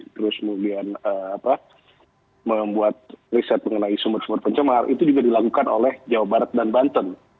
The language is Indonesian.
terus kemudian membuat riset mengenai sumber sumber pencemar itu juga dilakukan oleh jawa barat dan banten